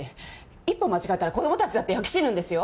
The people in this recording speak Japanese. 一歩間違えたら子供たちだって焼け死ぬんですよ。